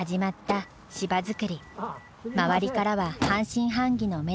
周りからは半信半疑の目で見られた。